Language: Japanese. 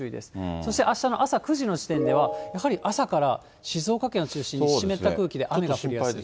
そして、あしたの朝９時の時点では、やはり朝から静岡県を中心に湿った空気で雨が降りやすい。